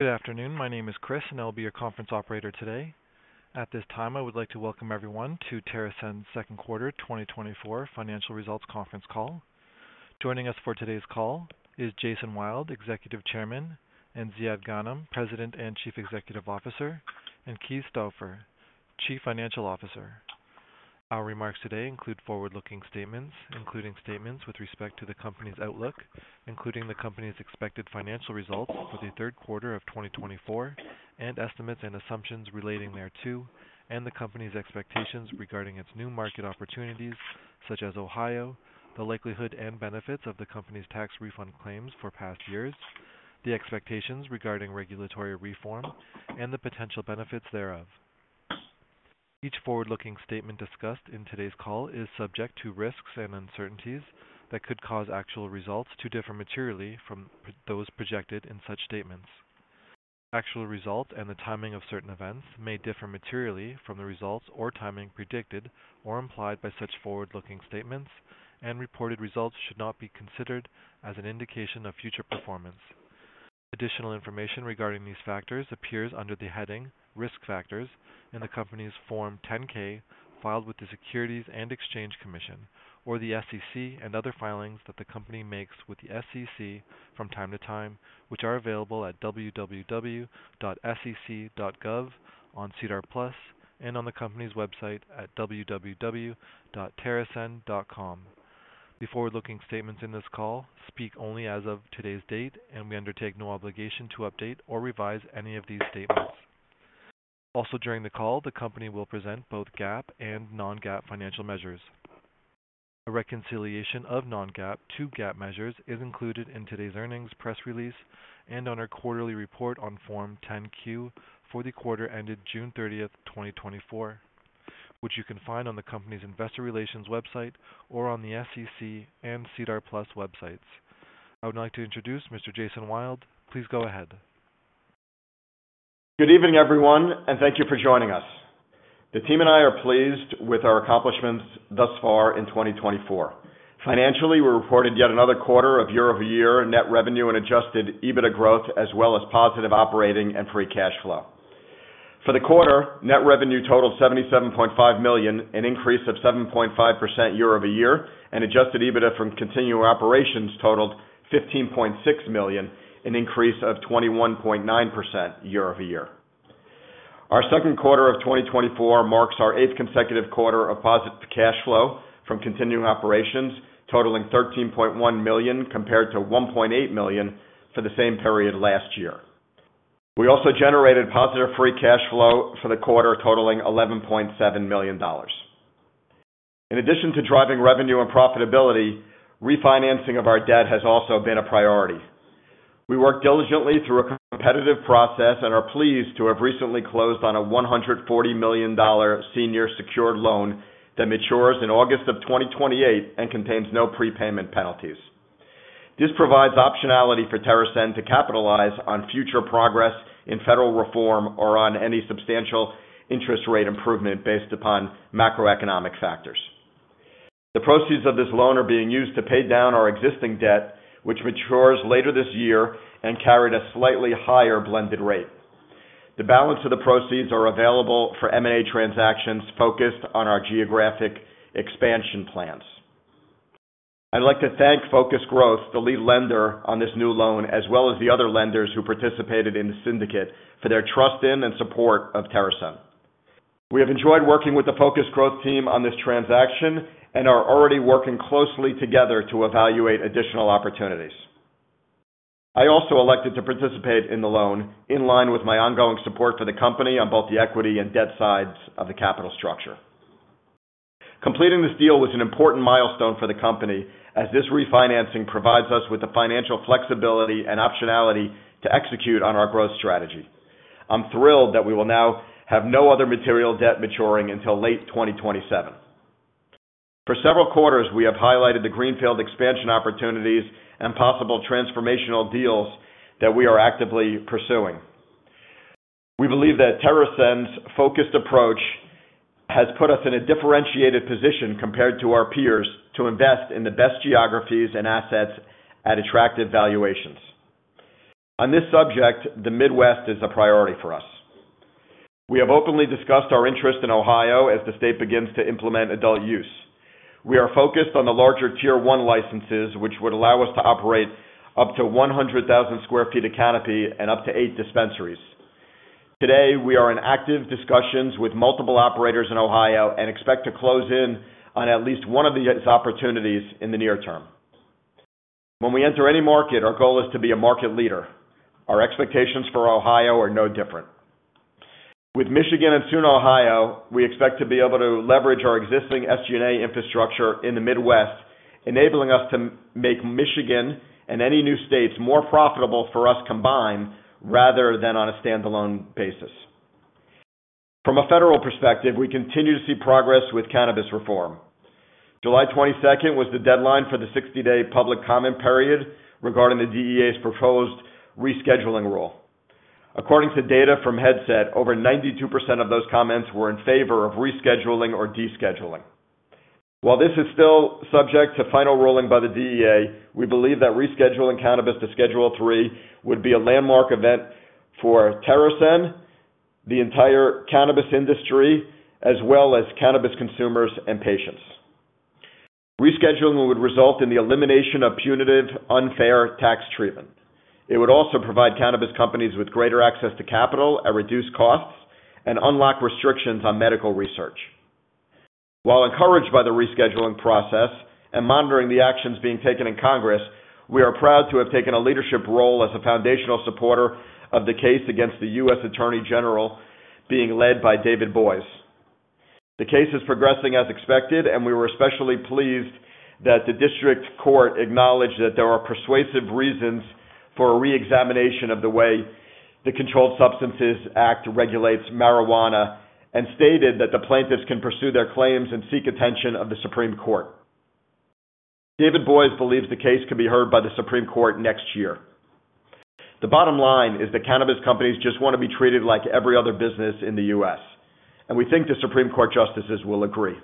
Good afternoon. My name is Chris, and I'll be your conference operator today. At this time, I would like to welcome everyone to TerrAscend's second quarter 2024 financial results conference call. Joining us for today's call is Jason Wild, Executive Chairman, and Ziad Ghanem, President and Chief Executive Officer, and Keith Stauffer, Chief Financial Officer. Our remarks today include forward-looking statements, including statements with respect to the company's outlook, including the company's expected financial results for the third quarter of 2024 and estimates and assumptions relating thereto, and the company's expectations regarding its new market opportunities, such as Ohio, the likelihood and benefits of the company's tax refund claims for past years, the expectations regarding regulatory reform and the potential benefits thereof. Each forward-looking statement discussed in today's call is subject to risks and uncertainties that could cause actual results to differ materially from those projected in such statements. Actual results and the timing of certain events may differ materially from the results or timing predicted or implied by such forward-looking statements, and reported results should not be considered as an indication of future performance. Additional information regarding these factors appears under the heading Risk Factors in the company's Form 10-K, filed with the Securities and Exchange Commission, or the SEC, and other filings that the company makes with the SEC from time to time, which are available at www.sec.gov, on SEDAR+ and on the company's website at www.terrascend.com. The forward-looking statements in this call speak only as of today's date, and we undertake no obligation to update or revise any of these statements. Also, during the call, the company will present both GAAP and non-GAAP financial measures. A reconciliation of non-GAAP to GAAP measures is included in today's earnings press release and on our quarterly report on Form 10-Q for the quarter ended June 30, 2024, which you can find on the company's investor relations website or on the SEC and SEDAR+ websites. I would like to introduce Mr. Jason Wild. Please go ahead. Good evening, everyone, and thank you for joining us. The team and I are pleased with our accomplishments thus far in 2024. Financially, we reported yet another quarter of year-over-year net revenue and Adjusted EBITDA growth, as well as positive operating and free cash flow. For the quarter, net revenue totaled $77.5 million, an increase of 7.5% year-over-year, and Adjusted EBITDA from continuing operations totaled $15.6 million, an increase of 21.9% year-over-year. Our second quarter of 2024 marks our eighth consecutive quarter of positive cash flow from continuing operations, totaling $13.1 million compared to $1.8 million for the same period last year. We also generated positive free cash flow for the quarter, totaling $11.7 million. In addition to driving revenue and profitability, refinancing of our debt has also been a priority. We worked diligently through a competitive process and are pleased to have recently closed on a $140 million senior secured loan that matures in August 2028 and contains no prepayment penalties. This provides optionality for TerrAscend to capitalize on future progress in federal reform or on any substantial interest rate improvement based upon macroeconomic factors. The proceeds of this loan are being used to pay down our existing debt, which matures later this year and carried a slightly higher blended rate. The balance of the proceeds are available for M&A transactions focused on our geographic expansion plans. I'd like to thank FocusGrowth, the lead lender on this new loan, as well as the other lenders who participated in the syndicate, for their trust in and support of TerrAscend. We have enjoyed working with the FocusGrowth team on this transaction and are already working closely together to evaluate additional opportunities. I also elected to participate in the loan in line with my ongoing support for the company on both the equity and debt sides of the capital structure. Completing this deal was an important milestone for the company as this refinancing provides us with the financial flexibility and optionality to execute on our growth strategy. I'm thrilled that we will now have no other material debt maturing until late 2027. For several quarters, we have highlighted the greenfield expansion opportunities and possible transformational deals that we are actively pursuing. We believe that TerrAscend's focused approach has put us in a differentiated position compared to our peers, to invest in the best geographies and assets at attractive valuations. On this subject, the Midwest is a priority for us. We have openly discussed our interest in Ohio as the state begins to implement adult-use. We are focused on the larger Tier I licenses, which would allow us to operate up to 100,000 sq ft of canopy and up to eight dispensaries. Today, we are in active discussions with multiple operators in Ohio and expect to close in on at least one of these opportunities in the near term. When we enter any market, our goal is to be a market leader. Our expectations for Ohio are no different. With Michigan and soon Ohio, we expect to be able to leverage our existing SG&A infrastructure in the Midwest, enabling us to make Michigan and any new states more profitable for us combined rather than on a standalone basis. From a federal perspective, we continue to see progress with cannabis reform. July 22 was the deadline for the 60-day public comment period regarding the DEA's proposed rescheduling rule. According to data from Headset, over 92% of those comments were in favor of rescheduling or descheduling. While this is still subject to final ruling by the DEA, we believe that rescheduling cannabis to Schedule III would be a landmark event for TerrAscend, the entire cannabis industry, as well as cannabis consumers and patients. Rescheduling would result in the elimination of punitive, unfair tax treatment. It would also provide cannabis companies with greater access to capital at reduced costs and unlock restrictions on medical research. While encouraged by the rescheduling process and monitoring the actions being taken in Congress, we are proud to have taken a leadership role as a foundational supporter of the case against the U.S. Attorney General being led by David Boies. The case is progressing as expected, and we were especially pleased that the district court acknowledged that there are persuasive reasons for a reexamination of the way the Controlled Substances Act regulates marijuana, and stated that the plaintiffs can pursue their claims and seek attention of the Supreme Court. David Boies believes the case could be heard by the Supreme Court next year. The bottom line is that cannabis companies just want to be treated like every other business in the U.S., and we think the Supreme Court justices will agree.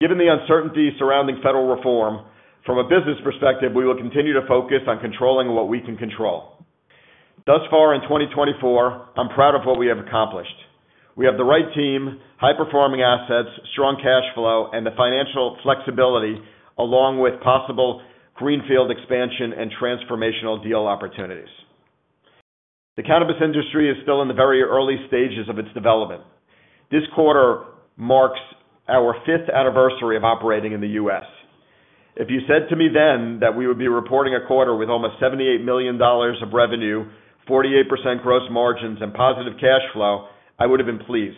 Given the uncertainty surrounding federal reform, from a business perspective, we will continue to focus on controlling what we can control. Thus far in 2024, I'm proud of what we have accomplished. We have the right team, high-performing assets, strong cash flow, and the financial flexibility, along with possible greenfield expansion and transformational deal opportunities. The cannabis industry is still in the very early stages of its development. This quarter marks our fifth anniversary of operating in the U.S. If you said to me then that we would be reporting a quarter with almost $78 million of revenue, 48% gross margins, and positive cash flow, I would have been pleased.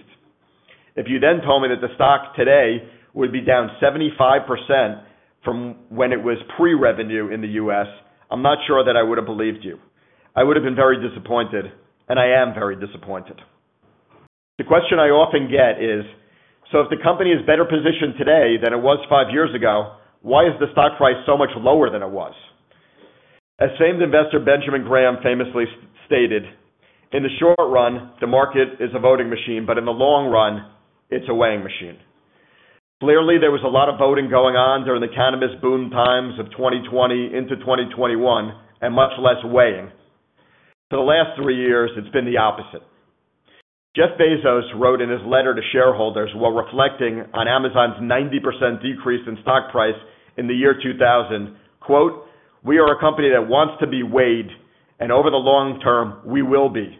If you then told me that the stock today would be down 75% from when it was pre-revenue in the US, I'm not sure that I would have believed you. I would have been very disappointed, and I am very disappointed. The question I often get is: So if the company is better positioned today than it was five years ago, why is the stock price so much lower than it was? As famed investor Benjamin Graham famously stated, "In the short run, the market is a voting machine, but in the long run, it's a weighing machine." Clearly, there was a lot of voting going on during the cannabis boom times of 2020 into 2021, and much less weighing. For the last three years, it's been the opposite. Jeff Bezos wrote in his letter to shareholders while reflecting on Amazon's 90% decrease in stock price in the year 2000, quote, "We are a company that wants to be weighed, and over the long term, we will be.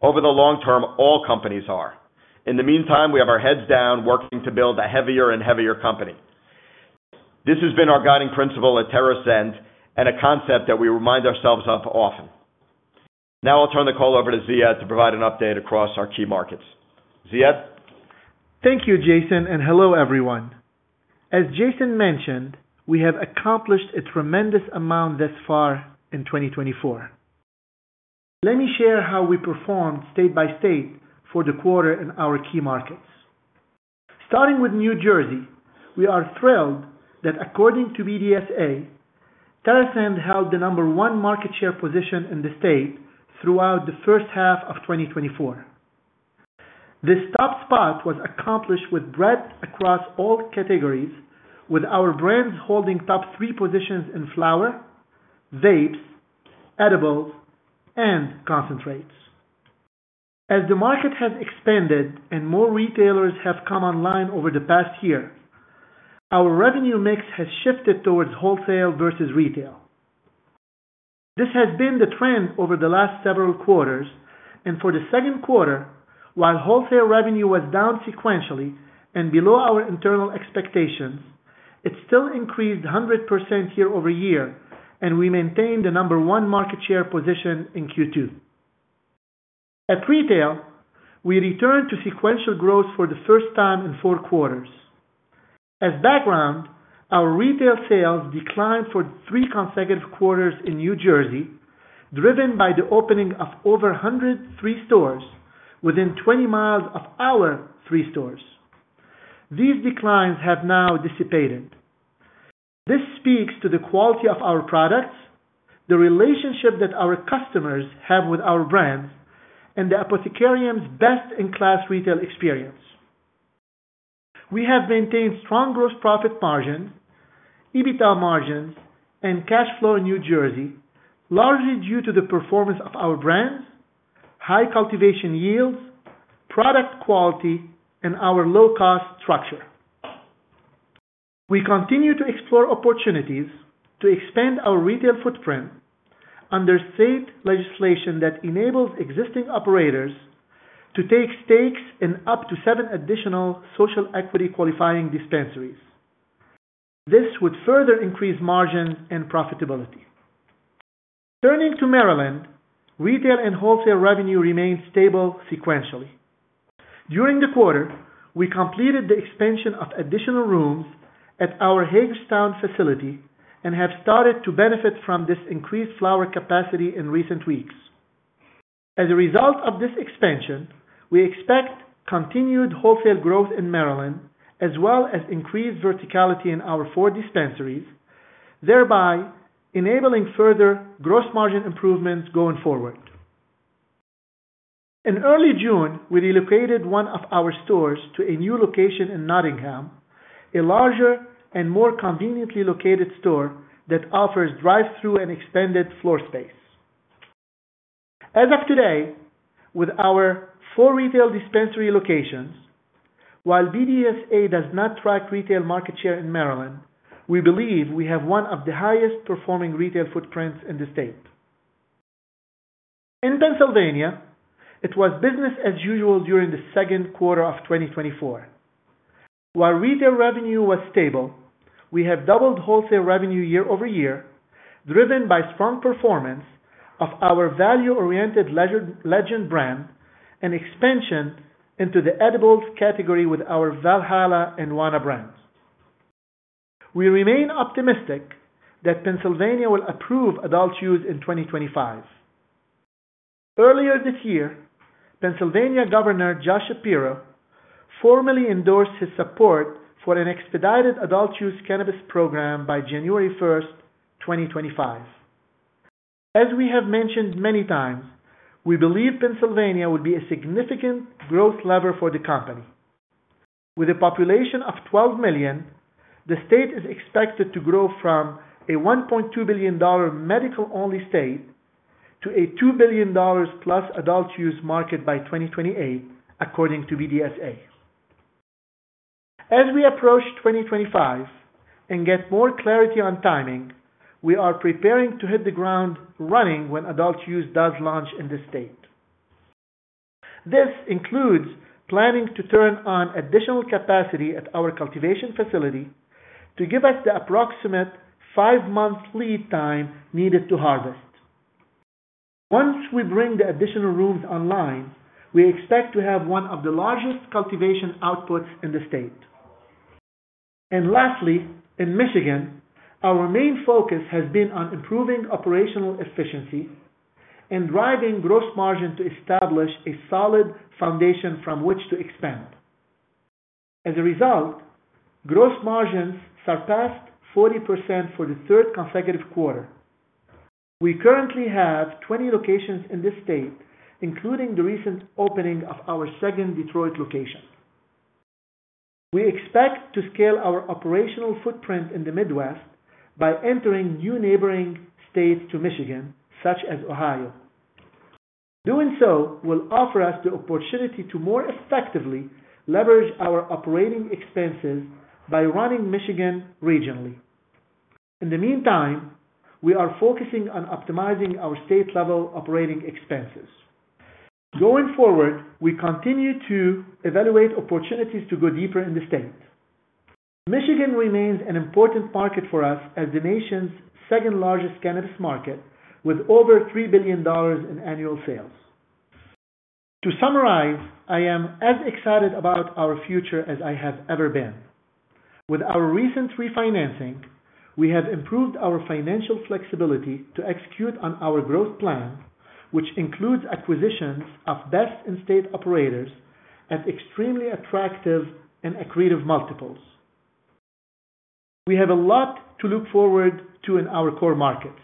Over the long term, all companies are. In the meantime, we have our heads down, working to build a heavier and heavier company." This has been our guiding principle at TerrAscend, and a concept that we remind ourselves of often. Now I'll turn the call over to Ziad to provide an update across our key markets. Ziad? Thank you, Jason, and hello, everyone. As Jason mentioned, we have accomplished a tremendous amount thus far in 2024. Let me share how we performed state by state for the quarter in our key markets. Starting with New Jersey, we are thrilled that according to BDSA, TerrAscend held the number one market share position in the state throughout the first half of 2024. This top spot was accomplished with breadth across all categories, with our brands holding top three positions in flower, vapes, edibles, and concentrates. As the market has expanded and more retailers have come online over the past year, our revenue mix has shifted towards wholesale versus retail. This has been the trend over the last several quarters, and for the second quarter, while wholesale revenue was down sequentially and below our internal expectations, it still increased 100% year-over-year, and we maintained the number one market share position in Q2. At retail, we returned to sequential growth for the first time in four quarters. As background, our retail sales declined for three consecutive quarters in New Jersey, driven by the opening of over 103 stores within 20 miles of our three stores. These declines have now dissipated. This speaks to the quality of our products, the relationship that our customers have with our brands, and The Apothecarium's best-in-class retail experience. We have maintained strong gross profit margins, EBITDA margins, and cash flow in New Jersey, largely due to the performance of our brands, high cultivation yields, product quality, and our low-cost structure. We continue to explore opportunities to expand our retail footprint under state legislation that enables existing operators to take stakes in up to seven additional social equity qualifying dispensaries. This would further increase margins and profitability. Turning to Maryland, retail and wholesale revenue remained stable sequentially. During the quarter, we completed the expansion of additional rooms at our Hagerstown facility and have started to benefit from this increased flower capacity in recent weeks. As a result of this expansion, we expect continued wholesale growth in Maryland, as well as increased verticality in our four dispensaries, thereby enabling further gross margin improvements going forward. In early June, we relocated one of our stores to a new location in Nottingham, a larger and more conveniently located store that offers drive-through and expanded floor space. As of today, with our four retail dispensary locations, while BDSA does not track retail market share in Maryland, we believe we have one of the highest performing retail footprints in the state. In Pennsylvania, it was business as usual during the second quarter of 2024. While retail revenue was stable, we have doubled wholesale revenue year-over-year, driven by strong performance of our value-oriented Legend brand, and expansion into the edibles category with our Valhalla and Wana brands. We remain optimistic that Pennsylvania will approve adult-use in 2025. Earlier this year, Pennsylvania Governor Josh Shapiro formally endorsed his support for an expedited adult-use cannabis program by January 1, 2025. As we have mentioned many times, we believe Pennsylvania would be a significant growth lever for the company. With a population of 12 million, the state is expected to grow from a $1.2 billion medical-only state to a $2 billion-plus adult-use market by 2028, according to BDSA. As we approach 2025 and get more clarity on timing, we are preparing to hit the ground running when adult-use does launch in the state. This includes planning to turn on additional capacity at our cultivation facility to give us the approximate 5-month lead time needed to harvest. Once we bring the additional rooms online, we expect to have one of the largest cultivation outputs in the state. And lastly, in Michigan, our main focus has been on improving operational efficiency and driving gross margin to establish a solid foundation from which to expand. As a result, gross margins surpassed 40% for the third consecutive quarter. We currently have 20 locations in this state, including the recent opening of our second Detroit location. We expect to scale our operational footprint in the Midwest by entering new neighboring states to Michigan, such as Ohio. Doing so will offer us the opportunity to more effectively leverage our operating expenses by running Michigan regionally. In the meantime, we are focusing on optimizing our state-level operating expenses. Going forward, we continue to evaluate opportunities to go deeper in the state. Michigan remains an important market for us as the nation's second-largest cannabis market, with over $3 billion in annual sales. To summarize, I am as excited about our future as I have ever been. With our recent refinancing, we have improved our financial flexibility to execute on our growth plan, which includes acquisitions of best in-state operators at extremely attractive and accretive multiples. We have a lot to look forward to in our core markets.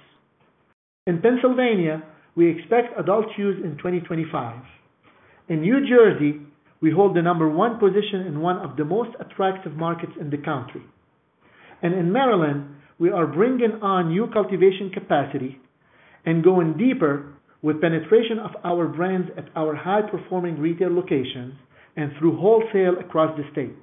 In Pennsylvania, we expect adult-use in 2025. In New Jersey, we hold the number one position in one of the most attractive markets in the country. And in Maryland, we are bringing on new cultivation capacity and going deeper with penetration of our brands at our high-performing retail locations and through wholesale across the state.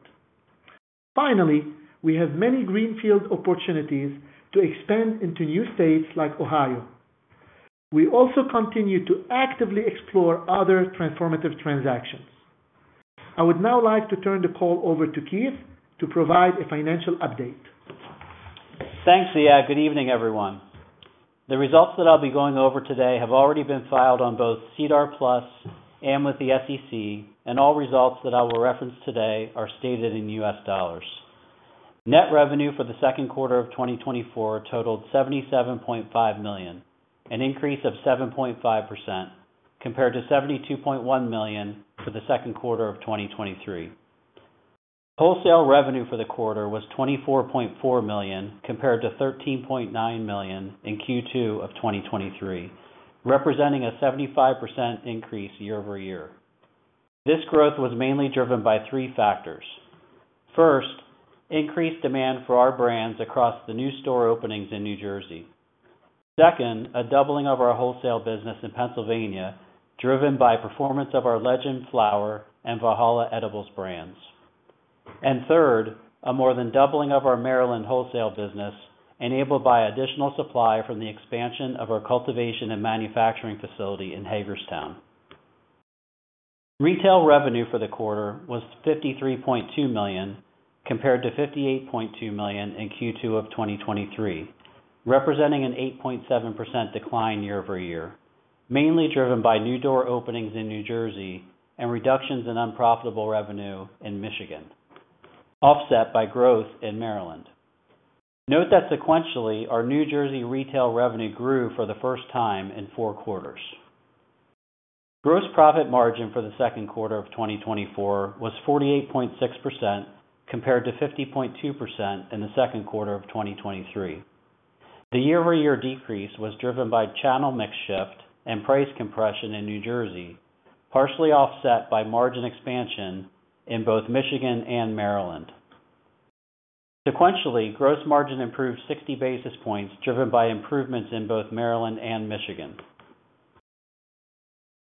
Finally, we have many greenfield opportunities to expand into new states like Ohio. We also continue to actively explore other transformative transactions. I would now like to turn the call over to Keith to provide a financial update. Thanks, Ziad. Good evening, everyone. The results that I'll be going over today have already been filed on both SEDAR+ and with the SEC, and all results that I will reference today are stated in US dollars. Net revenue for the second quarter of 2024 totaled $77.5 million, an increase of 7.5%, compared to $72.1 million for the second quarter of 2023. Wholesale revenue for the quarter was $24.4 million, compared to $13.9 million in Q2 of 2023, representing a 75% increase year-over-year. This growth was mainly driven by three factors: First, increased demand for our brands across the new store openings in New Jersey. Second, a doubling of our wholesale business in Pennsylvania, driven by performance of our Legend flower and Valhalla edibles brands. And third, a more than doubling of our Maryland wholesale business, enabled by additional supply from the expansion of our cultivation and manufacturing facility in Hagerstown. Retail revenue for the quarter was $53.2 million, compared to $58.2 million in Q2 of 2023, representing an 8.7% decline year-over-year, mainly driven by new door openings in New Jersey and reductions in unprofitable revenue in Michigan, offset by growth in Maryland. Note that sequentially, our New Jersey retail revenue grew for the first time in four quarters. Gross profit margin for the second quarter of 2024 was 48.6%, compared to 50.2% in the second quarter of 2023. The year-over-year decrease was driven by channel mix shift and price compression in New Jersey, partially offset by margin expansion in both Michigan and Maryland. Sequentially, gross margin improved 60 basis points, driven by improvements in both Maryland and Michigan.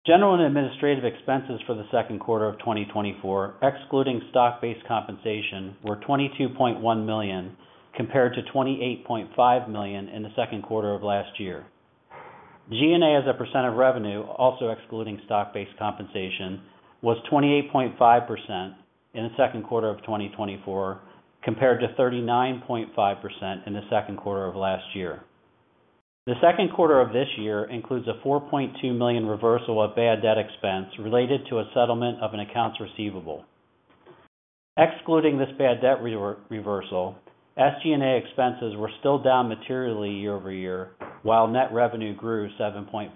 General and administrative expenses for the second quarter of 2024, excluding stock-based compensation, were $22.1 million, compared to $28.5 million in the second quarter of last year. G&A as a percent of revenue, also excluding stock-based compensation, was 28.5% in the second quarter of 2024, compared to 39.5% in the second quarter of last year. The second quarter of this year includes a $4.2 million reversal of bad debt expense related to a settlement of an accounts receivable. Excluding this bad debt re-reversal, SG&A expenses were still down materially year-over-year, while net revenue grew 7.5%.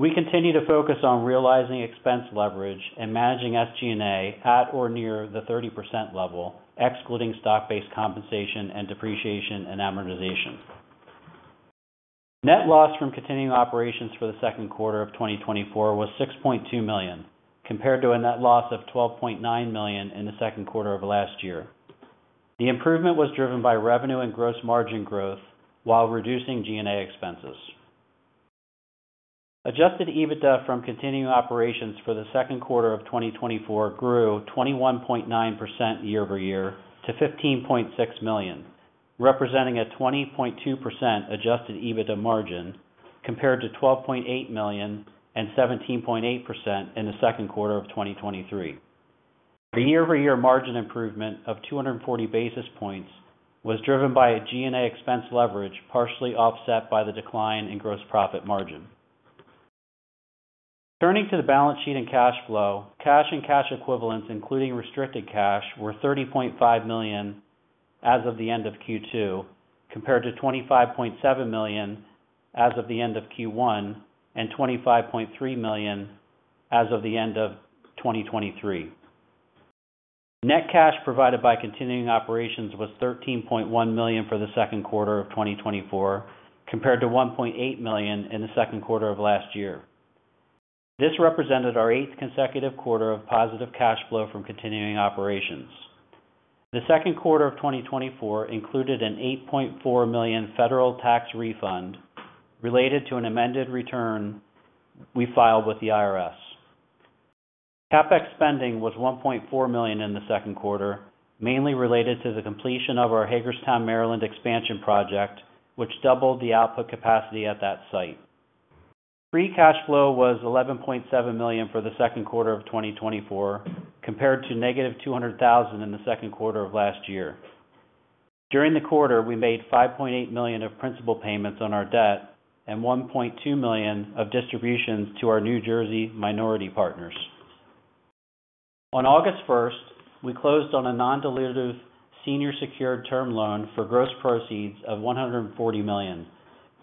We continue to focus on realizing expense leverage and managing SG&A at or near the 30% level, excluding stock-based compensation and depreciation and amortization. Net loss from continuing operations for the second quarter of 2024 was $6.2 million, compared to a net loss of $12.9 million in the second quarter of last year. The improvement was driven by revenue and gross margin growth while reducing G&A expenses. Adjusted EBITDA from continuing operations for the second quarter of 2024 grew 21.9% year-over-year to $15.6 million, representing a 20.2% adjusted EBITDA margin, compared to $12.8 million and 17.8% in the second quarter of 2023. The year-over-year margin improvement of 240 basis points was driven by a SG&A expense leverage, partially offset by the decline in gross profit margin. Turning to the balance sheet and cash flow, cash and cash equivalents, including restricted cash, were $30.5 million as of the end of Q2, compared to $25.7 million as of the end of Q1 and $25.3 million as of the end of 2023. Net cash provided by continuing operations was $13.1 million for the second quarter of 2024, compared to $1.8 million in the second quarter of last year. This represented our eighth consecutive quarter of positive cash flow from continuing operations. The second quarter of 2024 included an $8.4 million federal tax refund related to an amended return we filed with the IRS. CapEx spending was $1.4 million in the second quarter, mainly related to the completion of our Hagerstown, Maryland, expansion project, which doubled the output capacity at that site. Free cash flow was $11.7 million for the second quarter of 2024, compared to -$200,000 in the second quarter of last year. During the quarter, we made $5.8 million of principal payments on our debt and $1.2 million of distributions to our New Jersey minority partners. On August 1, we closed on a non-dilutive senior secured term loan for gross proceeds of $140 million,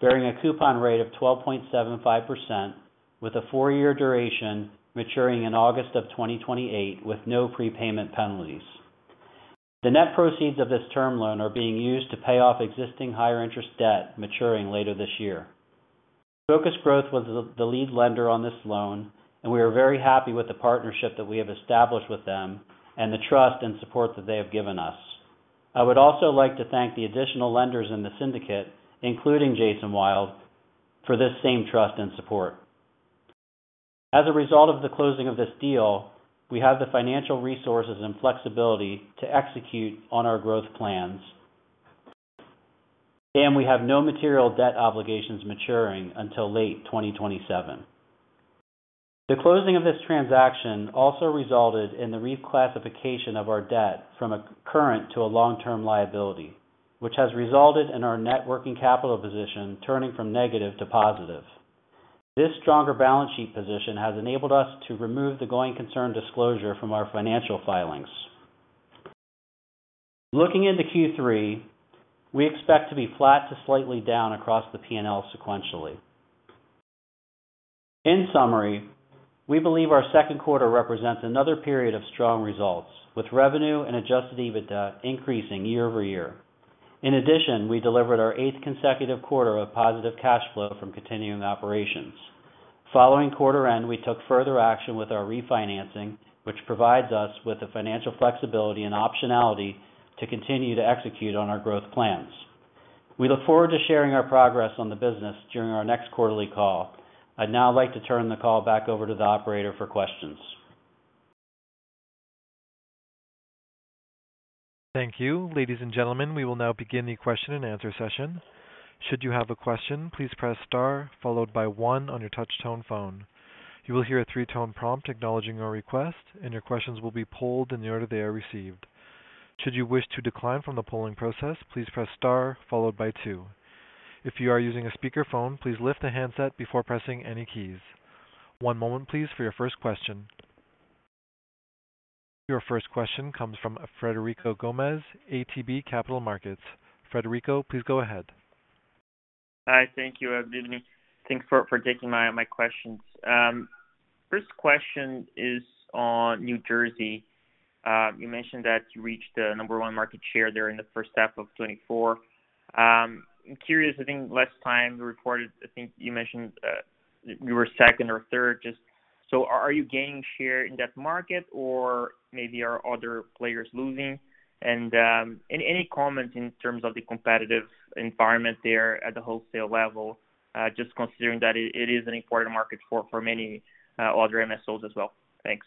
bearing a coupon rate of 12.75%, with a four-year duration maturing in August 2028 with no prepayment penalties. The net proceeds of this term loan are being used to pay off existing higher interest debt maturing later this year. FocusGrowth was the lead lender on this loan, and we are very happy with the partnership that we have established with them and the trust and support that they have given us. I would also like to thank the additional lenders in the syndicate, including Jason Wild, for this same trust and support. As a result of the closing of this deal, we have the financial resources and flexibility to execute on our growth plans. We have no material debt obligations maturing until late 2027. The closing of this transaction also resulted in the reclassification of our debt from a current to a long-term liability, which has resulted in our net working capital position turning from negative to positive. This stronger balance sheet position has enabled us to remove the going concern disclosure from our financial filings. Looking into Q3, we expect to be flat to slightly down across the P&L sequentially. In summary, we believe our second quarter represents another period of strong results, with revenue and Adjusted EBITDA increasing year-over-year. In addition, we delivered our eighth consecutive quarter of positive cash flow from continuing operations. Following quarter end, we took further action with our refinancing, which provides us with the financial flexibility and optionality to continue to execute on our growth plans. We look forward to sharing our progress on the business during our next quarterly call. I'd now like to turn the call back over to the operator for questions. Thank you. Ladies and gentlemen, we will now begin the question and answer session. Should you have a question, please press star followed by one on your touch tone phone. You will hear a three-tone prompt acknowledging your request, and your questions will be polled in the order they are received. Should you wish to decline from the polling process, please press star followed by two. If you are using a speakerphone, please lift the handset before pressing any keys. One moment, please, for your first question. Your first question comes from Frederico Gomes, ATB Capital Markets. Frederico, please go ahead.... Hi, thank you, everybody. Thanks for taking my questions. First question is on New Jersey. You mentioned that you reached the number one market share there in the first half of 2024. I'm curious. I think last time you reported, I think you mentioned you were second or third. Just so, are you gaining share in that market, or maybe are other players losing? And any comment in terms of the competitive environment there at the wholesale level, just considering that it is an important market for many other MSOs as well? Thanks.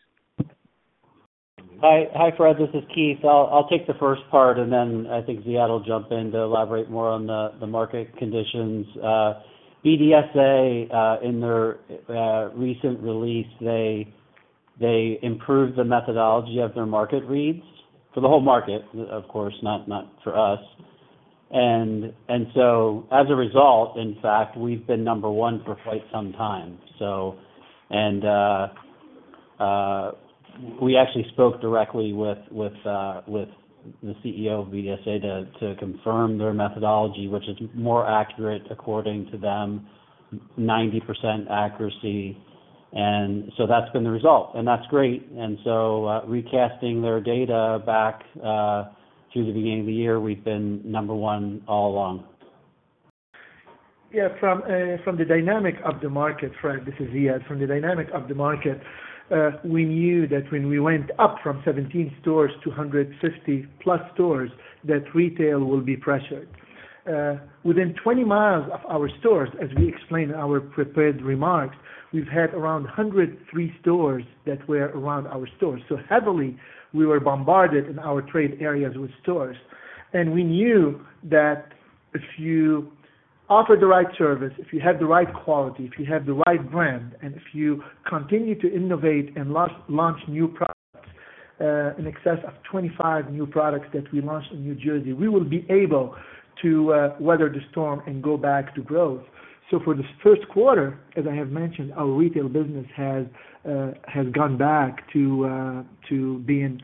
Hi, hi, Fred, this is Keith. I'll take the first part, and then I think Ziad will jump in to elaborate more on the market conditions. BDSA, in their recent release, they improved the methodology of their market reads for the whole market, of course, not for us. And so as a result, in fact, we've been number one for quite some time. So, we actually spoke directly with the CEO of BDSA to confirm their methodology, which is more accurate, according to them, 90% accuracy. And so that's been the result, and that's great. And so, recasting their data back to the beginning of the year, we've been number one all along. Yeah, from, from the dynamic of the market, Fred, this is Ziad. From the dynamic of the market, we knew that when we went up from 17 stores to 150+ stores, that retail will be pressured. Within 20 miles of our stores, as we explained in our prepared remarks, we've had around 103 stores that were around our stores. So heavily, we were bombarded in our trade areas with stores. And we knew that if you offer the right service, if you have the right quality, if you have the right brand, and if you continue to innovate and launch new products, in excess of 25 new products that we launched in New Jersey, we will be able to, weather the storm and go back to growth. So for this first quarter, as I have mentioned, our retail business has gone back to being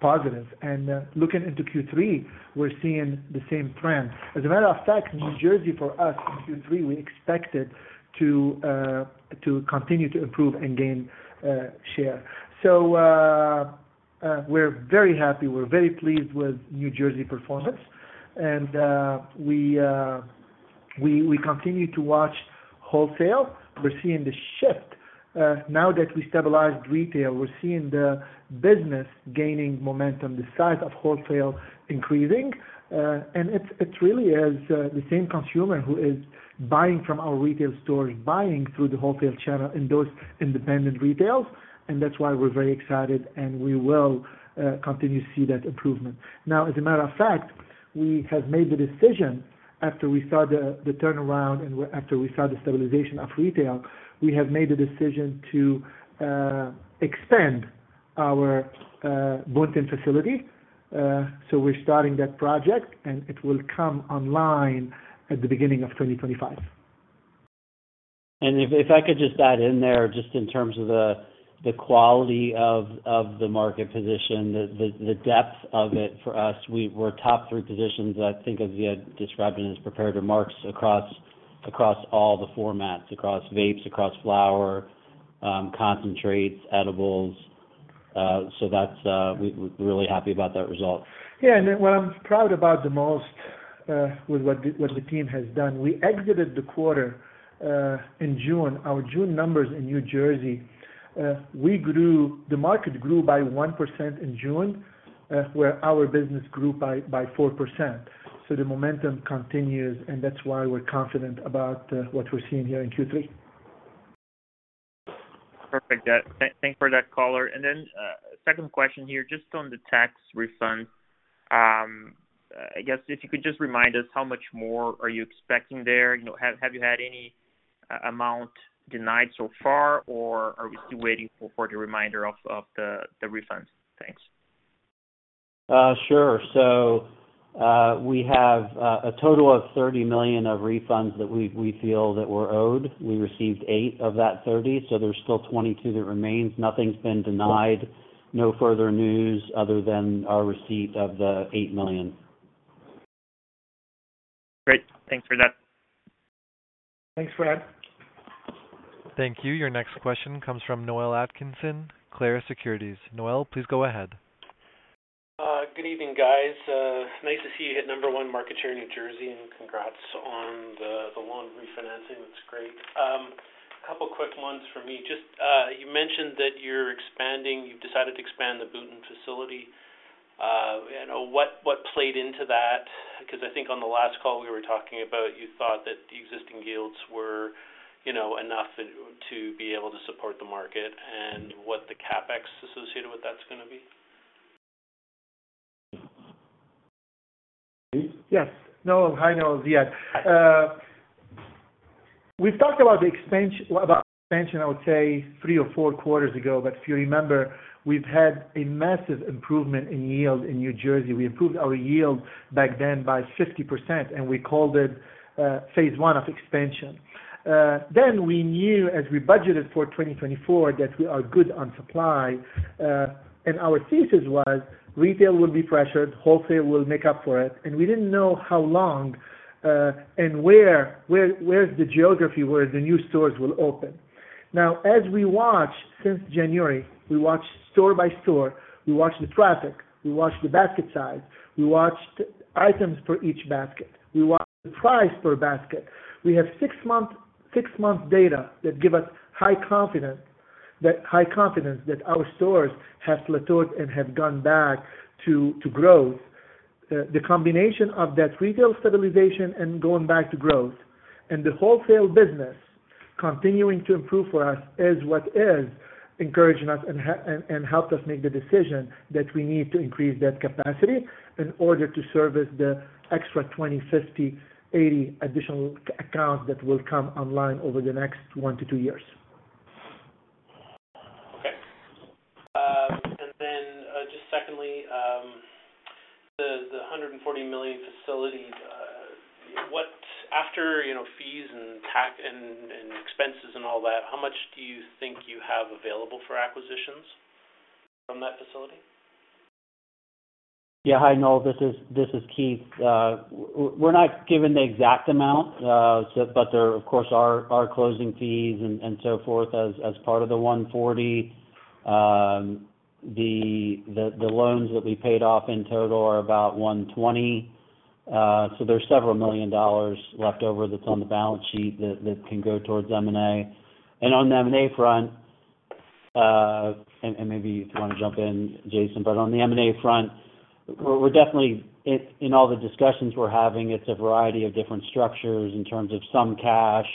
positive. And looking into Q3, we're seeing the same trend. As a matter of fact, New Jersey, for us, in Q3, we expect it to continue to improve and gain share. So we're very happy. We're very pleased with New Jersey performance, and we continue to watch wholesale. We're seeing the shift. Now that we stabilized retail, we're seeing the business gaining momentum, the size of wholesale increasing. And it's really the same consumer who is buying from our retail stores, buying through the wholesale channel in those independent retails, and that's why we're very excited, and we will continue to see that improvement. Now, as a matter of fact, we have made the decision after we saw the turnaround and after we saw the stabilization of retail. We have made the decision to expand our Boonton facility. So we're starting that project, and it will come online at the beginning of 2025. If I could just add in there, just in terms of the quality of the market position, the depth of it for us, we're top three positions, I think as Ziad described it in his prepared remarks across all the formats, across vapes, across flower, concentrates, edibles. So that's, we're really happy about that result. Yeah, and then what I'm proud about the most, with what the, what the team has done, we exited the quarter in June. Our June numbers in New Jersey, we grew. The market grew by 1% in June, where our business grew by, by 4%. So the momentum continues, and that's why we're confident about what we're seeing here in Q3. Perfect. Yeah. Thanks for that color. And then, second question here, just on the tax refund. I guess if you could just remind us how much more are you expecting there? You know, have you had any amount denied so far, or are we still waiting for the remainder of the refunds? Thanks. Sure. So, we have a total of $30 million of refunds that we feel that we're owed. We received $8 million of that $30 million, so there's still $22 million that remains. Nothing's been denied. No further news other than our receipt of the $8 million. Great. Thanks for that. Thanks, Fred. Thank you. Your next question comes from Noel Atkinson, Clarus Securities. Noel, please go ahead. Good evening, guys. Nice to see you hit number one market share in New Jersey, and congrats on the loan refinancing. That's great. A couple quick ones for me. Just, you mentioned that you're expanding, you've decided to expand the Boonton facility. You know, what played into that? Because I think on the last call we were talking about, you thought that the existing yields were enough to be able to support the market and what the CapEx associated with that's gonna be? Yes. No, I know, Ziad. We've talked about the expansion, about expansion, I would say, three or four quarters ago, but if you remember, we've had a massive improvement in yield in New Jersey. We improved our yield back then by 50%, and we called it phase one of expansion. Then we knew as we budgeted for 2024, that we are good on supply. And our thesis was, retail will be pressured, wholesale will make up for it, and we didn't know how long, and where, where, where's the geography, where the new stores will open. Now, as we watch, since January, we watched store by store, we watched the traffic, we watched the basket size, we watched items per each basket, we watched the price per basket. We have six month, six month data that give us high confidence, that high confidence that our stores have plateaued and have gone back to growth. The combination of that retail stabilization and going back to growth and the wholesale business continuing to improve for us is what is encouraging us and helped us make the decision that we need to increase that capacity in order to service the extra 20, 50, 80 additional accounts that will come online over the next 1 to 2 years. Okay. And then, just secondly, the $140 million facilities, after, you know, fees and tax and expenses and all that, how much do you think you have available for acquisitions from that facility? Yeah. Hi, Noel, this is Keith. We're not given the exact amount, but there, of course, are closing fees and so forth, as part of the $140 million. The loans that we paid off in total are about $120 million. So there's several million dollars left over that's on the balance sheet that can go towards M&A. And on the M&A front, maybe if you want to jump in, Jason, but on the M&A front, we're definitely in all the discussions we're having, it's a variety of different structures in terms of some cash,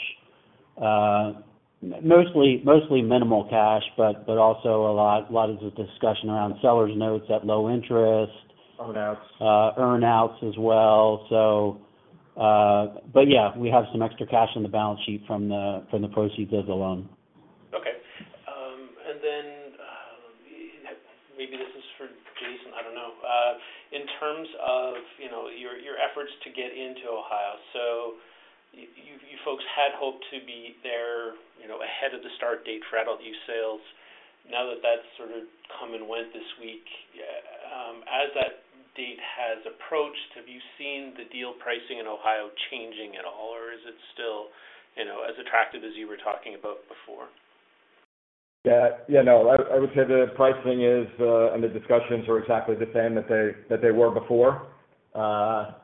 mostly minimal cash, but also a lot of the discussion around sellers notes at low interest- Earn outs. Earn-outs as well. So, but yeah, we have some extra cash on the balance sheet from the proceeds of the loan. Okay. And then, maybe this is for Jason, I don't know. In terms of, you know, your efforts to get into Ohio, so you folks had hoped to be there, you know, ahead of the start date for adult-use sales. Now that that's sort of come and went this week, as that date has approached, have you seen the deal pricing in Ohio changing at all, or is it still, you know, as attractive as you were talking about before? Yeah, yeah, no, I would say the pricing is, and the discussions are exactly the same that they were before. I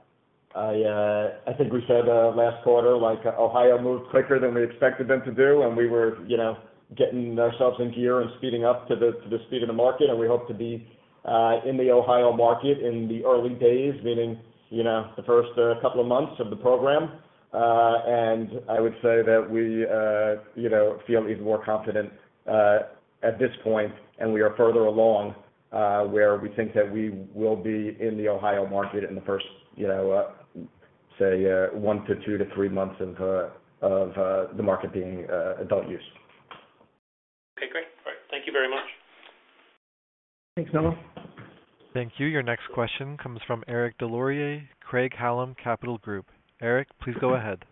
think we said last quarter, like, Ohio moved quicker than we expected them to do, and we were, you know, getting ourselves in gear and speeding up to the speed of the market, and we hope to be in the Ohio market in the early days, meaning, you know, the first couple of months of the program. And I would say that we, you know, feel even more confident at this point, and we are further along where we think that we will be in the Ohio market in the first, you know, say, 1 to 2 to 3 months into of the market being adult-use. Okay, great. All right. Thank you very much. Thanks, Noel. Thank you. Your next question comes from Eric Deslauriers, Craig-Hallum Capital Group. Eric, please go ahead.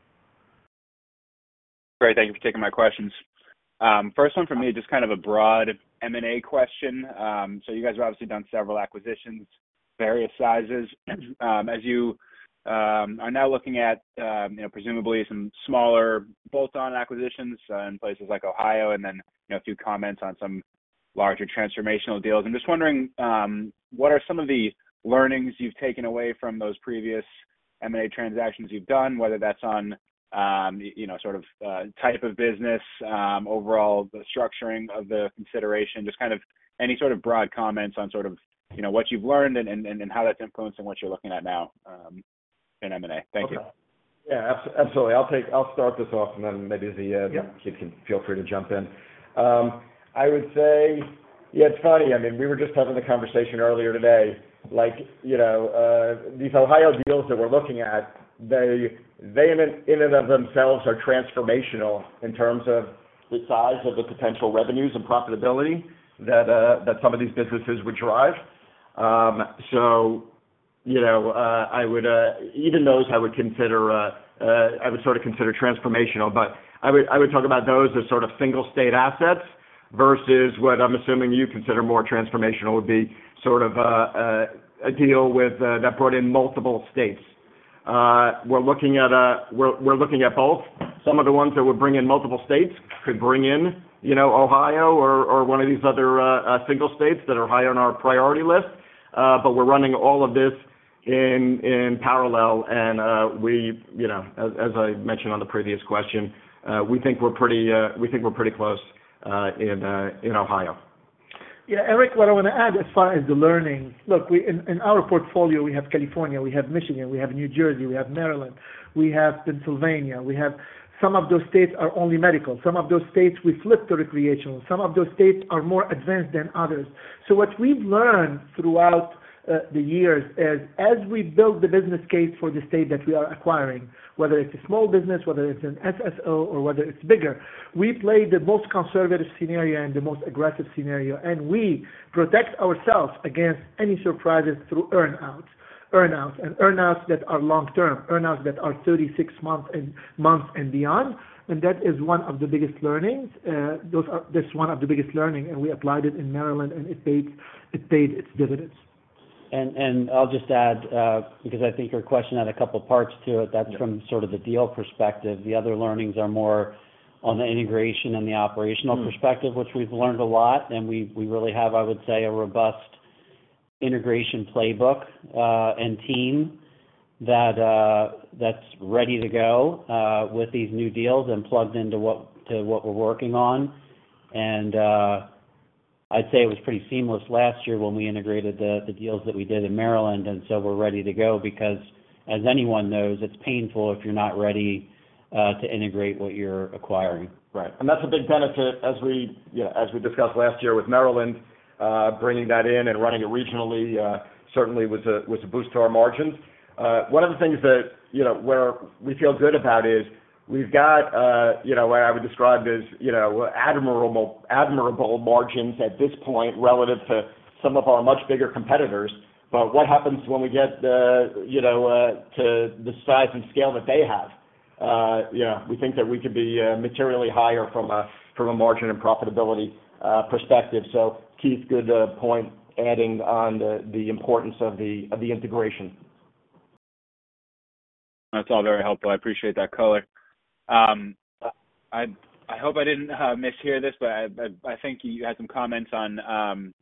Great, thank you for taking my questions. First one for me, just kind of a broad M&A question. So you guys have obviously done several acquisitions, various sizes. As you are now looking at, you know, presumably some smaller bolt-on acquisitions in places like Ohio, and then a few comments on some larger transformational deals. I'm just wondering, what are some of the learnings you've taken away from those previous M&A transactions you've done, whether that's on, you know, sort of, type of business, overall, the structuring of the consideration, just kind of any sort of broad comments on sort of, you know, what you've learned and, and, and how that's influencing what you're looking at now, in M&A? Thank you. Yeah, absolutely. I'll take... I'll start this off, and then maybe the, Yeah. Keith can feel free to jump in. I would say, yeah, it's funny, I mean, we were just having the conversation earlier today. Like, you know, these Ohio deals that we're looking at, they in and of themselves are transformational in terms of the size of the potential revenues and profitability that some of these businesses would drive. So, you know, even those I would consider transformational, but I would talk about those as sort of single state assets versus what I'm assuming you consider more transformational, would be sort of a deal that brought in multiple states. We're looking at both. Some of the ones that would bring in multiple states, could bring in, you know, Ohio or one of these other single states that are high on our priority list. But we're running all of this in parallel, and we, you know, as I mentioned on the previous question, we think we're pretty, we think we're pretty close in Ohio. Yeah, Eric, what I want to add as far as the learning, look, in our portfolio, we have California, we have Michigan, we have New Jersey, we have Maryland, we have Pennsylvania, we have... Some of those states are only medical. Some of those states we flipped to recreational. Some of those states are more advanced than others. So what we've learned throughout the years is, as we build the business case for the state that we are acquiring, whether it's a small business, whether it's an SSO or whether it's bigger, we play the most conservative scenario and the most aggressive scenario, and we protect ourselves against any surprises through earn outs. Earn outs, and earn outs that are long-term, earn outs that are 36 months and months and beyond. And that is one of the biggest learnings. That's one of the biggest learning, and we applied it in Maryland, and it paid, it paid its dividends. ...And I'll just add, because I think your question had a couple parts to it, that's from sort of the deal perspective. The other learnings are more on the integration and the operational perspective, which we've learned a lot, and we really have, I would say, a robust integration playbook and team that's ready to go with these new deals and plugged into what to what we're working on. And I'd say it was pretty seamless last year when we integrated the deals that we did in Maryland, and so we're ready to go, because as anyone knows, it's painful if you're not ready to integrate what you're acquiring. Right. And that's a big benefit as we, you know, as we discussed last year with Maryland, bringing that in and running it regionally, certainly was a boost to our margins. One of the things that, you know, where we feel good about is, we've got, you know, what I would describe as, you know, admirable, admirable margins at this point, relative to some of our much bigger competitors. But what happens when we get the, you know, to the size and scale that they have? You know, we think that we could be, materially higher from a, from a margin and profitability, perspective. So Keith, good point, adding on the, the importance of the integration. That's all very helpful. I appreciate that color. I hope I didn't mishear this, but I think you had some comments on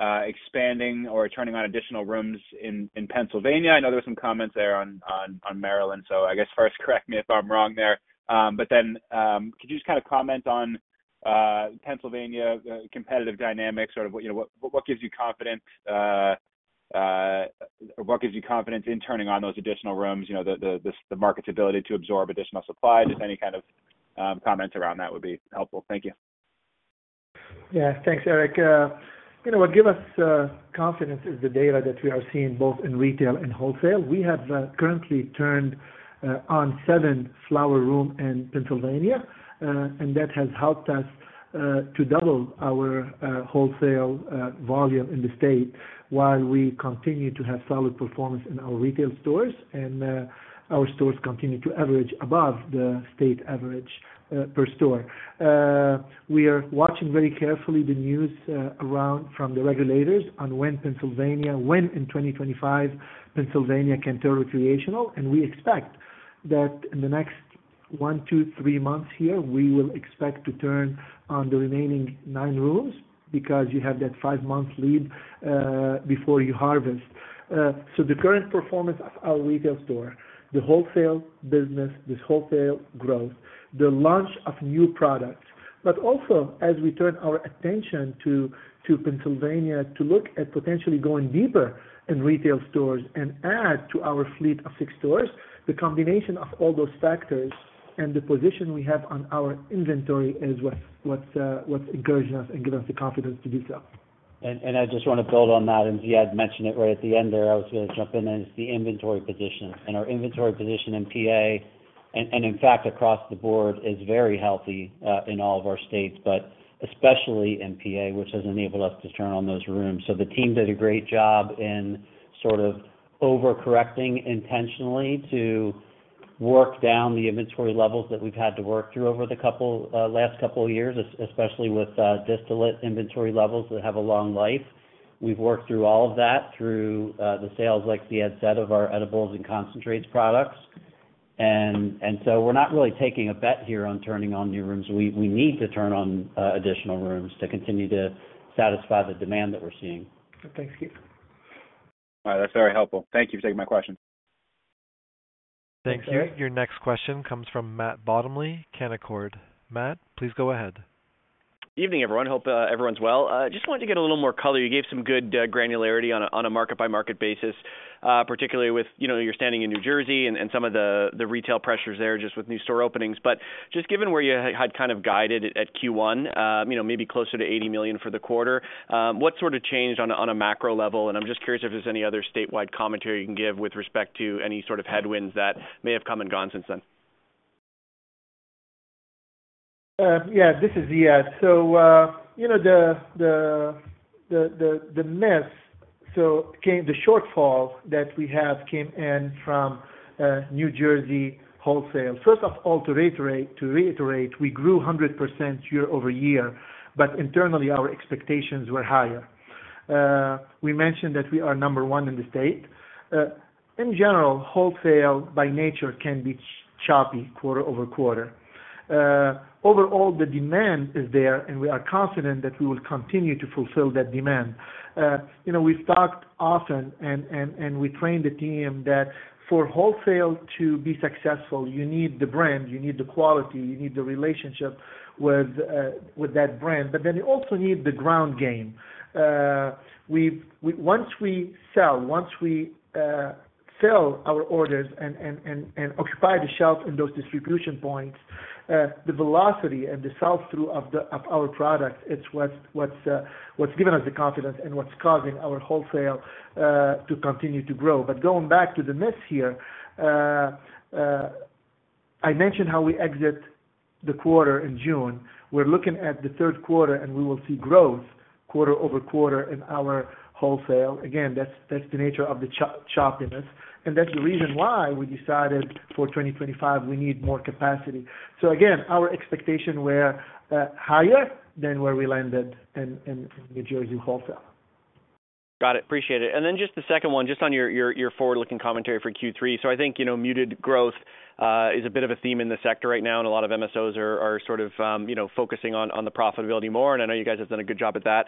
expanding or turning on additional rooms in Pennsylvania. I know there were some comments there on Maryland. So I guess first, correct me if I'm wrong there. But then, could you just kind of comment on Pennsylvania, the competitive dynamics, sort of, you know, what gives you confidence... What gives you confidence in turning on those additional rooms? You know, the market's ability to absorb additional supply. Just any kind of comments around that would be helpful. Thank you. Yeah. Thanks, Eric. You know, what gives us confidence is the data that we are seeing both in retail and wholesale. We have currently turned on 7 flower rooms in Pennsylvania, and that has helped us to double our wholesale volume in the state, while we continue to have solid performance in our retail stores. Our stores continue to average above the state average per store. We are watching very carefully the news around from the regulators on when Pennsylvania, when in 2025, Pennsylvania can turn recreational, and we expect that in the next 1-3 months here, we will expect to turn on the remaining 9 rooms, because you have that 5-month lead before you harvest. So the current performance of our retail store, the wholesale business, this wholesale growth, the launch of new products, but also, as we turn our attention to Pennsylvania to look at potentially going deeper in retail stores and add to our fleet of six stores, the combination of all those factors and the position we have on our inventory is what's encouraging us and give us the confidence to do so. And I just wanna build on that, and Ziad mentioned it right at the end there. I was gonna jump in, and it's the inventory position. And our inventory position in PA, and, in fact, across the board, is very healthy in all of our states, but especially in PA, which has enabled us to turn on those rooms. So the team did a great job in sort of overcorrecting intentionally to work down the inventory levels that we've had to work through over the couple last couple of years, especially with distillate inventory levels that have a long life. We've worked through all of that, through the sales, like Ziad said, of our edibles and concentrates products. And so we're not really taking a bet here on turning on new rooms. We need to turn on additional rooms to continue to satisfy the demand that we're seeing. Thanks, Keith. All right. That's very helpful. Thank you for taking my question. Thank you. Your next question comes from Matt Bottomley, Canaccord. Matt, please go ahead. Evening, everyone. Hope everyone's well. Just wanted to get a little more color. You gave some good granularity on a market-by-market basis, particularly with, you know, your standing in New Jersey and some of the retail pressures there, just with new store openings. But just given where you had kind of guided at Q1, you know, maybe closer to $80 million for the quarter, what sort of changed on a macro level? And I'm just curious if there's any other statewide commentary you can give with respect to any sort of headwinds that may have come and gone since then. Yeah, this is Ziad. So, you know, the shortfall that we have came in from New Jersey wholesale. First of all, to reiterate, we grew 100% year-over-year, but internally, our expectations were higher. We mentioned that we are number one in the state. In general, wholesale by nature can be choppy quarter-over-quarter. Overall, the demand is there, and we are confident that we will continue to fulfill that demand. You know, we've talked often and we trained the team that for wholesale to be successful, you need the brand, you need the quality, you need the relationship with that brand, but then you also need the ground game. Once we sell our orders and occupy the shelf in those distribution points, the velocity and the sell-through of our products, it's what's given us the confidence and what's causing our wholesale to continue to grow. But going back to the miss here, I mentioned how we exit the quarter in June. We're looking at the third quarter, and we will see growth quarter-over-quarter in our wholesale. Again, that's the nature of the choppiness, and that's the reason why we decided for 2025 we need more capacity. So again, our expectation were higher than where we landed in New Jersey wholesale.... Got it. Appreciate it. And then just the second one, just on your forward-looking commentary for Q3. So I think, you know, muted growth is a bit of a theme in the sector right now, and a lot of MSOs are sort of, you know, focusing on the profitability more, and I know you guys have done a good job at that,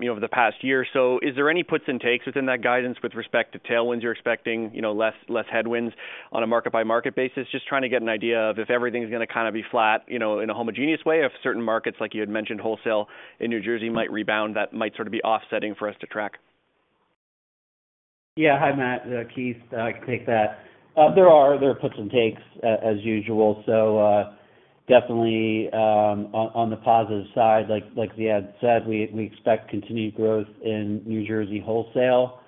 you know, over the past year. So is there any puts and takes within that guidance with respect to tailwinds you're expecting, you know, less headwinds on a market-by-market basis? Just trying to get an idea of if everything's gonna kind of be flat, you know, in a homogeneous way, if certain markets, like you had mentioned, wholesale in New Jersey might rebound, that might sort of be offsetting for us to track. Yeah. Hi, Matt. Keith, I can take that. There are puts and takes as usual. So, definitely, on the positive side, like we had said, we expect continued growth in New Jersey wholesale.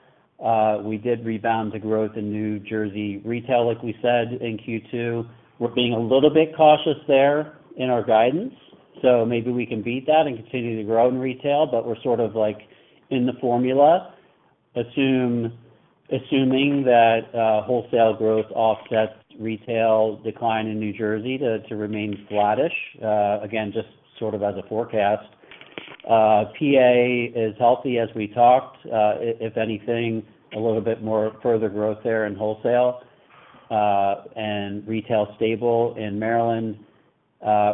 We did rebound the growth in New Jersey retail, like we said, in Q2. We're being a little bit cautious there in our guidance, so maybe we can beat that and continue to grow in retail, but we're sort of, like, in the formula, assuming that wholesale growth offsets retail decline in New Jersey to remain flattish, again, just sort of as a forecast. PA is healthy, as we talked. If anything, a little bit more further growth there in wholesale, and retail stable in Maryland.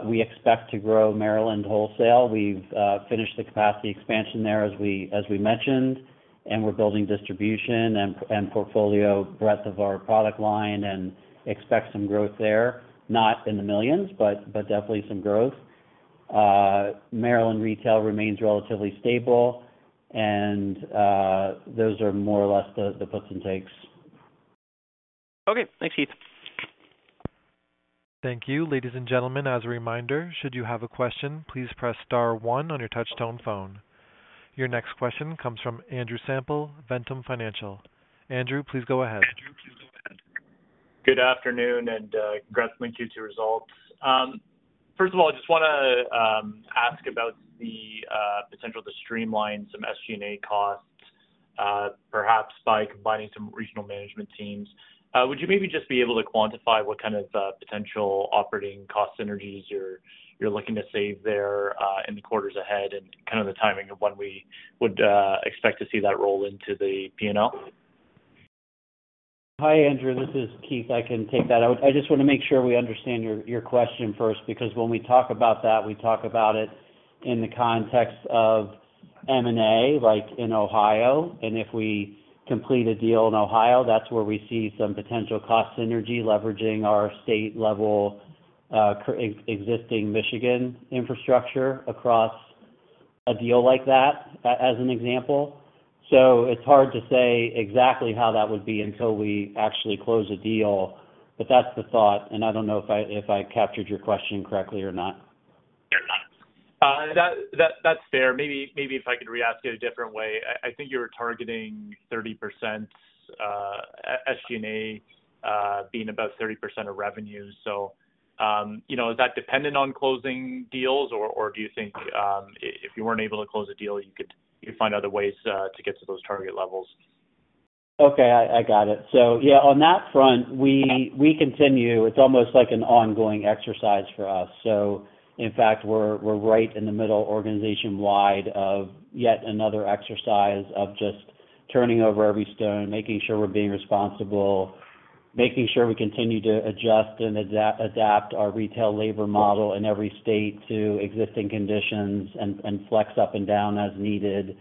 We expect to grow Maryland wholesale. We've finished the capacity expansion there, as we mentioned, and we're building distribution and portfolio breadth of our product line and expect some growth there. Not in the millions, but definitely some growth. Maryland retail remains relatively stable, and those are more or less the puts and takes. Okay. Thanks, Keith. Thank you. Ladies and gentlemen, as a reminder, should you have a question, please press star one on your touchtone phone. Your next question comes from Andrew Semple, Ventum Financial. Andrew, please go ahead. Good afternoon, and congrats on Q2 results. First of all, I just wanna ask about the potential to streamline some SG&A costs, perhaps by combining some regional management teams. Would you maybe just be able to quantify what kind of potential operating cost synergies you're looking to save there, in the quarters ahead and kind of the timing of when we would expect to see that roll into the P&L? Hi, Andrew. This is Keith. I can take that. I just wanna make sure we understand your question first because when we talk about that, we talk about it in the context of M&A, like in Ohio. And if we complete a deal in Ohio, that's where we see some potential cost synergy, leveraging our state-level existing Michigan infrastructure across a deal like that, as an example. So it's hard to say exactly how that would be until we actually close a deal, but that's the thought, and I don't know if I captured your question correctly or not. Sure. That, that's fair. Maybe if I could re-ask it a different way. I think you were targeting 30%, SG&A, being about 30% of revenue. So, you know, is that dependent on closing deals, or do you think if you weren't able to close a deal, you could find other ways to get to those target levels? Okay, I got it. So yeah, on that front, we continue... It's almost like an ongoing exercise for us. So in fact, we're right in the middle, organization-wide, of yet another exercise of just turning over every stone, making sure we're being responsible, making sure we continue to adjust and adapt our retail labor model in every state to existing conditions and flex up and down as needed.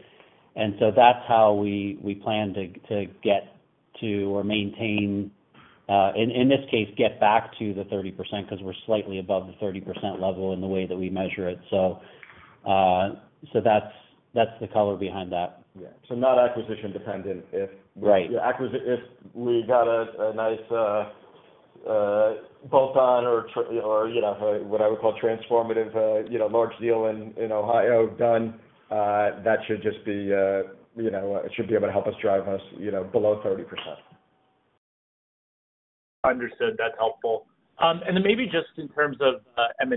And so that's how we plan to get to or maintain, in this case, get back to the 30% because we're slightly above the 30% level in the way that we measure it. So that's the color behind that. Yeah. So not acquisition dependent if- Right. If we got a nice bolt-on or, you know, what I would call transformative, you know, large deal in Ohio done, that should just be, you know, it should be able to help us drive us below 30%. Understood. That's helpful. And then maybe just in terms of, and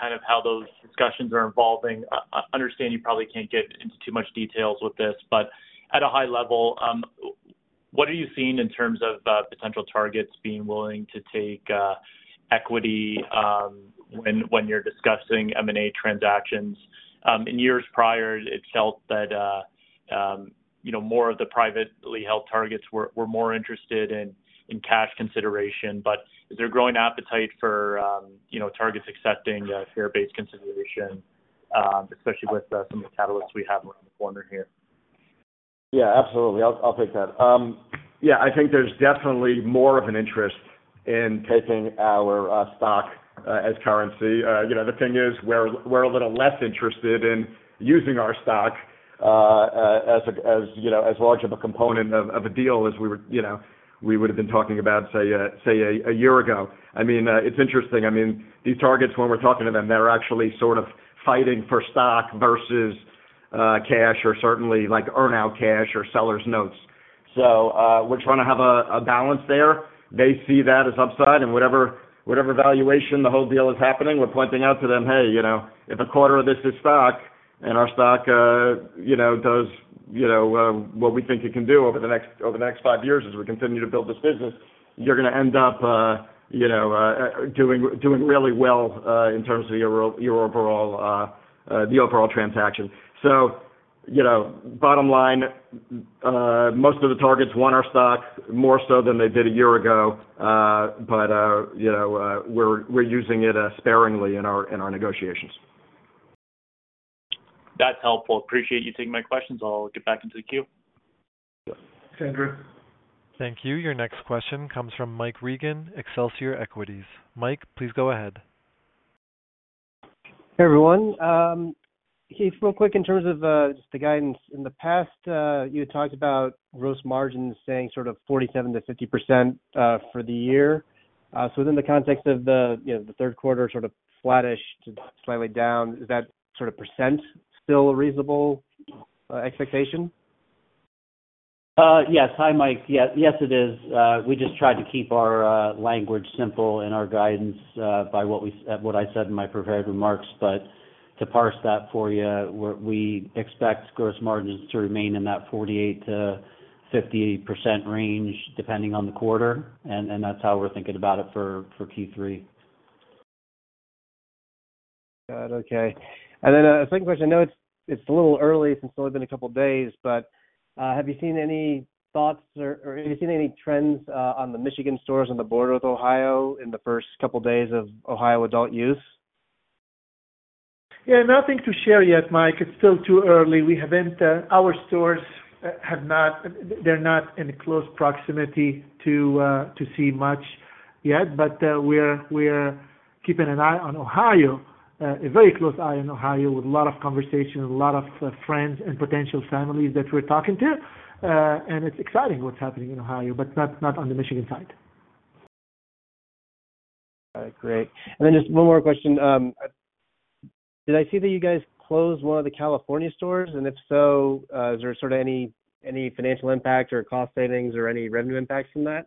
kind of how those discussions are evolving, understanding you probably can't get into too much details with this, but at a high level, what are you seeing in terms of, potential targets being willing to take, equity, when you're discussing M&A transactions? In years prior, it felt that, you know, more of the privately held targets were more interested in, cash consideration, but is there growing appetite for, you know, targets accepting, share-based consideration, especially with, some of the catalysts we have around the corner here? Yeah, absolutely. I'll take that. Yeah, I think there's definitely more of an interest in taking our stock as currency. You know, the thing is, we're a little less interested in using our stock as a, you know, as large of a component of a deal as we would, you know, we would have been talking about, say, say, a year ago. I mean, it's interesting. I mean, these targets, when we're talking to them, they're actually sort of fighting for stock versus cash or certainly like earn-out cash or sellers notes. So, we're trying to have a balance there. They see that as upside, and whatever, whatever valuation the whole deal is happening, we're pointing out to them, "Hey, you know, if a quarter of this is stock and our stock, you know, does, you know, what we think it can do over the next, over the next five years as we continue to build this business, you're gonna end up, you know, doing really well, in terms of your overall, the overall transaction." So... You know, bottom line, most of the targets want our stock more so than they did a year ago. But, you know, we're using it, sparingly in our negotiations. That's helpful. Appreciate you taking my questions. I'll get back into the queue. Andrew? Thank you. Your next question comes from Mike Regan, Excelsior Equities. Mike, please go ahead. Hey, everyone. Keith, real quick, in terms of, just the guidance. In the past, you had talked about gross margins staying sort of 47%-50%, for the year. So within the context of the, you know, the third quarter, sort of flattish to slightly down, is that sort of percent still a reasonable expectation? Yes. Hi, Mike. Yes. Yes, it is. We just tried to keep our language simple in our guidance, by what I said in my prepared remarks. But to parse that for you, we expect gross margins to remain in that 48%-50% range, depending on the quarter, and that's how we're thinking about it for Q3. Got it. Okay. And then a second question. I know it's a little early since it's only been a couple days, but have you seen any thoughts or have you seen any trends on the Michigan stores on the border with Ohio in the first couple days of Ohio adult-use? Yeah, nothing to share yet, Mike. It's still too early. We haven't... Our stores have not, they're not in close proximity to, to see much yet, but, we're, we're keeping an eye on Ohio, a very close eye on Ohio, with a lot of conversations, a lot of, friends and potential families that we're talking to. And it's exciting what's happening in Ohio, but not, not on the Michigan side. Great. And then just one more question. Did I see that you guys closed one of the California stores? And if so, is there sort of any financial impact or cost savings or any revenue impacts from that?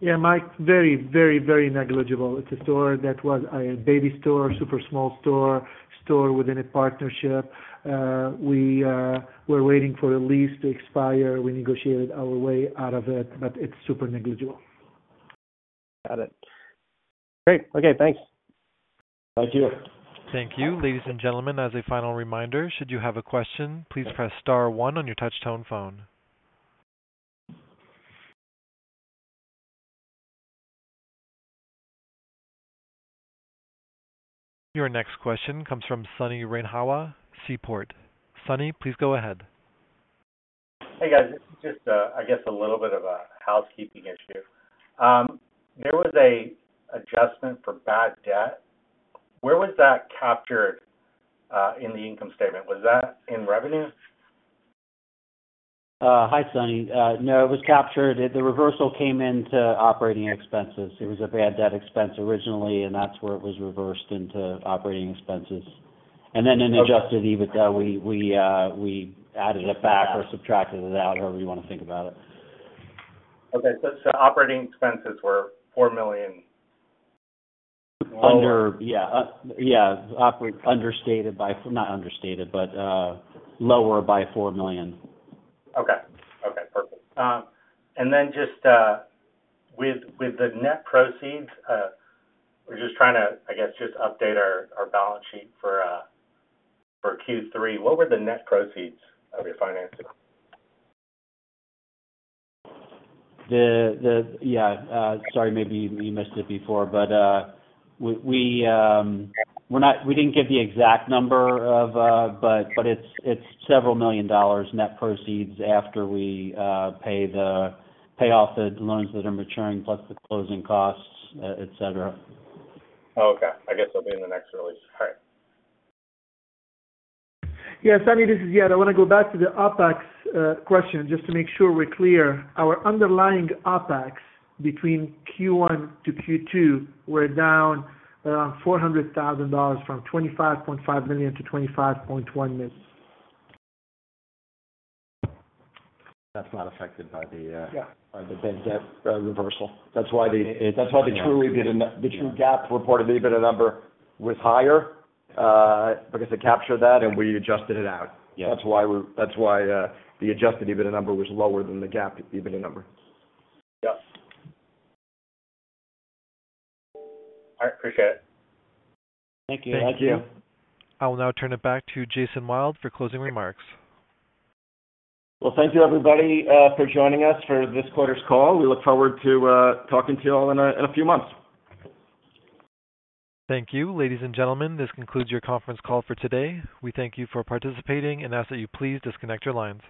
Yeah, Mike, very, very, very negligible. It's a store that was a baby store, super small store, store within a partnership. We're waiting for the lease to expire. We negotiated our way out of it, but it's super negligible. Got it. Great. Okay, thanks. Thank you. Thank you. Ladies and gentlemen, as a final reminder, should you have a question, please press star one on your touch tone phone. Your next question comes from Sonny Randhawa, Seaport. Sonny, please go ahead. Hey, guys, this is just, I guess, a little bit of a housekeeping issue. There was an adjustment for bad debt. Where was that captured, in the income statement? Was that in revenue? Hi, Sonny. No, it was captured... The reversal came into operating expenses. It was a bad debt expense originally, and that's where it was reversed into operating expenses. Okay. And then in Adjusted EBITDA, we added it back or subtracted it out, however you want to think about it. Okay, so operating expenses were $4 million? Understated, yeah. Not understated, but lower by $4 million. Okay. Okay, perfect. And then just with the net proceeds, we're just trying to, I guess, just update our balance sheet for Q3. What were the net proceeds of your financing? Yeah, sorry, maybe we missed it before, but we, we're not—we didn't give the exact number of, but it's several million dollars net proceeds after we pay off the loans that are maturing, plus the closing costs, et cetera. Okay, I guess they'll be in the next release. All right. Yeah, Sonny, this is Ziad. I want to go back to the OpEx question, just to make sure we're clear. Our underlying OpEx between Q1 to Q2 were down around $400,000, from $25.5 million to $25.1 million. That's not affected by the, Yeah... by the bad debt reversal. That's why the- It, yeah. That's why the true EBITDA, the true GAAP reported EBITDA number was higher, because it captured that and we adjusted it out. Yeah. That's why the adjusted EBITDA number was lower than the GAAP EBITDA number. Yep. All right, appreciate it. Thank you. Thank you. I will now turn it back to Jason Wild for closing remarks. Well, thank you, everybody, for joining us for this quarter's call. We look forward to talking to you all in a few months. Thank you. Ladies and gentlemen, this concludes your conference call for today. We thank you for participating and ask that you please disconnect your lines.